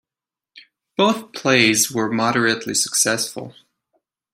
Both plays were moderately successful.